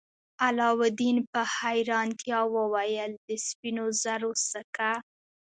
علاوالدین په حیرانتیا وویل د سپینو زرو سکه.